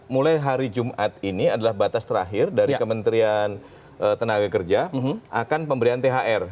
mulai hari jumat ini adalah batas terakhir dari kementerian tenaga kerja akan pemberian thr